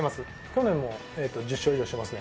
去年も１０勝以上してますね。